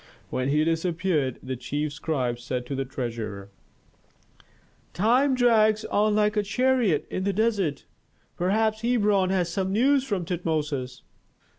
When he disappeared, the chief scribe said to the treasurer, "Time drags on like a chariot in the desert. Perhaps Hebron has some news from Tutmosis."